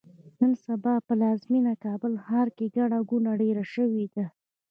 نن سبا پلازمېینه کابل ښار کې ګڼه ګوڼه ډېره شوې ده.